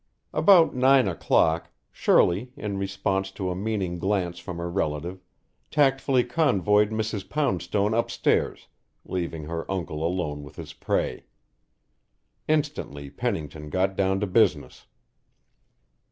About nine o'clock, Shirley, in response to a meaning glance from her relative, tactfully convoyed Mrs. Poundstone upstairs, leaving her uncle alone with his prey. Instantly Pennington got down to business.